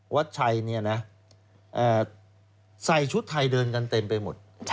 วัดชัยเนี่ยนะใส่ชุดไทยเดินกันเต็มไปหมด